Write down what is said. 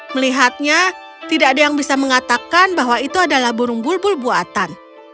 melihatnya tidak ada yang bisa mengatakan bahwa itu adalah burung bulbul buatan